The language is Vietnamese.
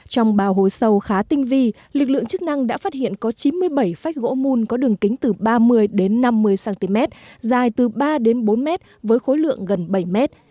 trong bào hối sâu khá tinh vi lực lượng chức năng đã phát hiện có chín mươi bảy phách gỗ mùn có đường kính từ ba mươi đến năm mươi cm dài từ ba đến bốn mét với khối lượng gần bảy mét